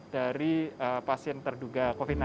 dari pasien terduga covid sembilan belas